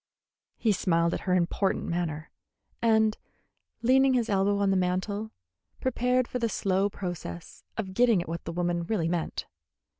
He smiled at her important manner, and, leaning his elbow on the mantel, prepared for the slow process of getting at what the woman really meant.